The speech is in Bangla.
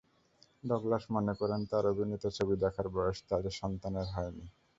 ডগলাস মনে করেন, তাঁর অভিনীত ছবি দেখার বয়স তাঁর সন্তানদের হয়নি।